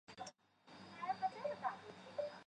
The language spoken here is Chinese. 古坟时代虽有后期聚落。